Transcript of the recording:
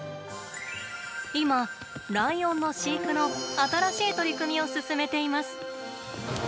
今、ライオンの飼育の新しい取り組みを進めています。